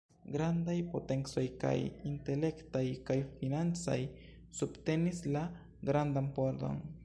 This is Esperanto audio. Grandaj potencoj, kaj intelektaj kaj financaj subtenis la "grandan pordon".